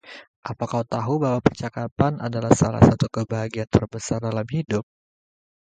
Apa kau tahu bahwa percakapan adalah salah satu kebahagiaan terbesar dalam hidup?